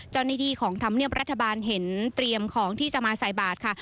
เจ้าหน้าที่ของธรรมเนียบรัฐบาลเห็นเตรียมของที่จะมาใส่บาทค่ะ